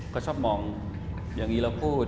เค้าชอบมองอย่างนี้แล้วพูด